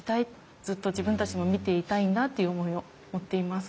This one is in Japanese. ずっと自分たちも見ていたいんだっていう思いを持っています。